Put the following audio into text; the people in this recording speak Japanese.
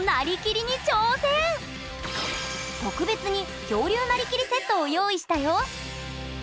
特別に恐竜なりきりセットを用意したよ！